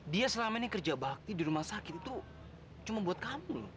dia selama ini kerja bakti di rumah sakit itu cuma buat kamu